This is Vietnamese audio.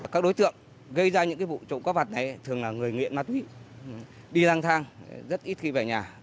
các đối tượng gây ra những vụ trộm có vặt này thường là người nghiện ma túy đi lang thang rất ít khi về nhà